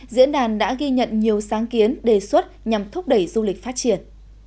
diễn đàn đã ghi nhận nhiều sáng kiến đề xuất nhằm thúc đẩy du lịch phát triển